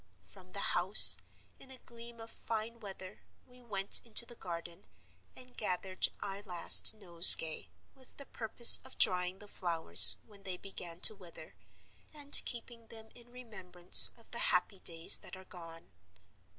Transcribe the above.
From the house, in a gleam of fine weather, we went into the garden, and gathered our last nosegay; with the purpose of drying the flowers when they begin to wither, and keeping them in remembrance of the happy days that are gone.